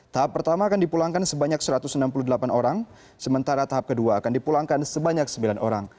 tahap pertama akan dipulangkan sebanyak satu ratus enam puluh delapan orang sementara tahap kedua akan dipulangkan sebanyak sembilan orang